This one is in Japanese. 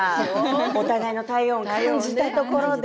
お互いの体温を感じたところで。